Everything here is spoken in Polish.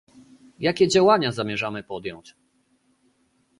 Jakie działania zamierzamy podjąć?